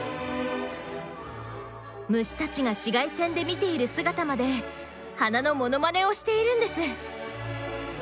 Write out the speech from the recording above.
虫たちが紫外線で見ている姿まで花のモノマネをしているんです。